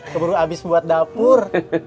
keburu habis buat dapur